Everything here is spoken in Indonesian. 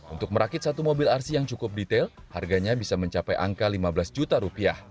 untuk merakit satu mobil rc yang cukup detail harganya bisa mencapai angka lima belas juta rupiah